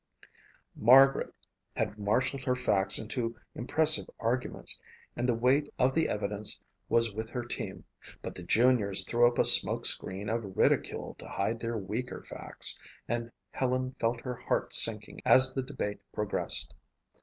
Margaret had marshalled her facts into impressive arguments and the weight of the evidence was with her team but the juniors threw up a smoke screen of ridicule to hide their weaker facts and Helen felt her heart sinking as the debate progressed.